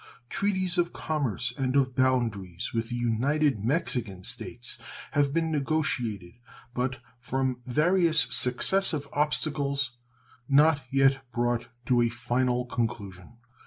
Treaties of commerce and of boundaries with the United Mexican States have been negotiated, but, from various successive obstacles, not yet brought to a final conclusion.